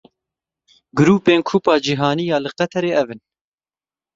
Grûpên Kupa Cîhanî ya li Qeterê ev in.